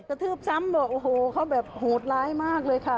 ทืบซ้ำบอกโอ้โหเขาแบบโหดร้ายมากเลยค่ะ